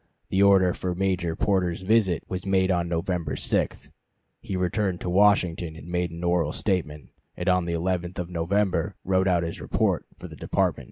The order for Major Porter's visit was made on November 6; he returned to Washington and made an oral statement, and on the 11th of November wrote out his report for the Department in due form.